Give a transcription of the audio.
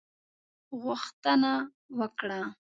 غوښتنه وکړه.